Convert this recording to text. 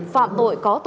phạm tội có thể